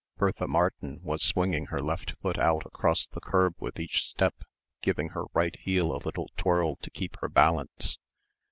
Bertha Martin was swinging her left foot out across the curb with each step, giving her right heel a little twirl to keep her balance.